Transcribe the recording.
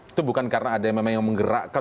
itu bukan karena ada yang menggerakkan